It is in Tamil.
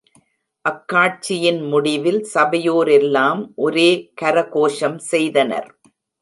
அக்காட்சியின் முடிவில் சபையோரெல்லாம் ஒரே கர கோஷம் செய்தனர்.